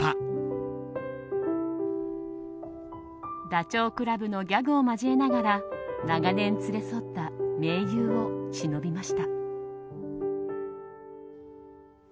ダチョウ倶楽部のギャグを交えながら長年連れ添った盟友をしのびました。